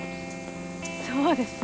そうですね。